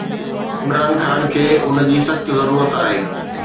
عمران خان کي ان جي سخت ضرورت آهي.